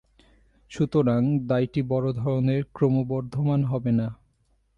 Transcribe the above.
সুতরাং দায়টি বড় ধরনের ক্রমবর্ধমান হবে না।